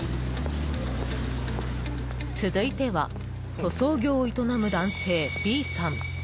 続いては塗装業を営む男性Ｂさん。